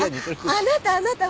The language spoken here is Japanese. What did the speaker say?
あなたあなた。